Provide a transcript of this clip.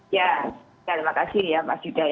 ya terima kasih ya mas yuda